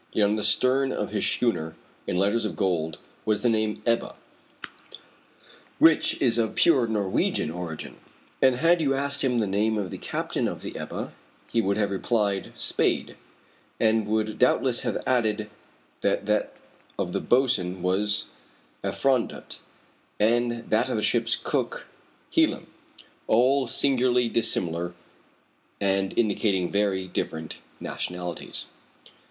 Yet on the stern of his schooner, in letters of gold, was the name Ebba, which is of pure Norwegian origin. And had you asked him the name of the captain of the Ebba, he would have replied, Spade, and would doubtless have added that that of the boatswain was Effrondat, and that of the ship's cook, Helim all singularly dissimilar and indicating very different nationalities.